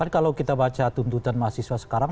kalau kita baca tuntutan mahasiswa sekarang